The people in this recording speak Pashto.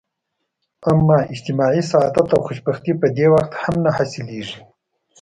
اما اجتماعي سعادت او خوشبختي په دې وخت هم نه حلاصیږي.